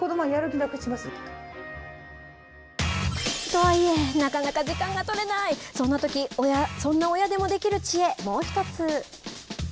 とはいえ、なかなか時間が取れない、そんなとき、そんな親でもできる知恵、もう一つ。